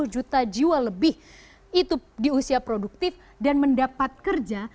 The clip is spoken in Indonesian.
dua ratus lima puluh juta jiwa lebih itu di usia produktif dan mendapat kerja